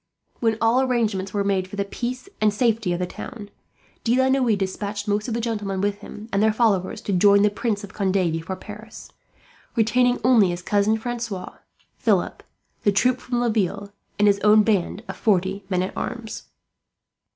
When all arrangements were made for the peace and safety of the town, De la Noue despatched most of the gentlemen with him, and their followers, to join the Prince of Conde before Paris; retaining only his Cousin Francois, Philip, the troop from Laville, and his own band of forty men at arms.